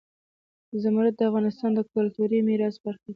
زمرد د افغانستان د کلتوري میراث برخه ده.